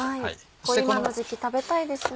今の時期食べたいですね。